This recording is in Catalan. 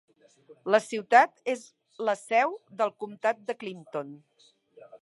La ciutat és la seu del comtat de Clinton.